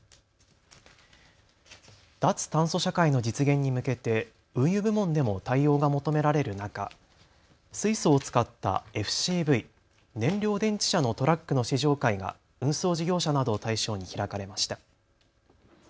脱炭素社会の実現に向けて運輸部門でも対応が求められる中、水素を使ったＦＣＶ・燃料電池車のトラックの試乗会が運送事業者などを対象に開かれました。